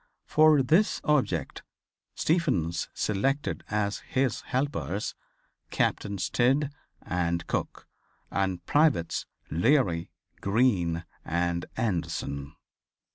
For this object Stephens selected as his helpers Captains Tidd and Cook and privates Leary, Green and Anderson.